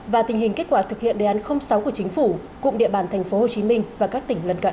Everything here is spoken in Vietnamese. và tình hình kết quả thực hiện đề án sáu của chính phủ cụm địa bàn tp hcm và các tỉnh lân cận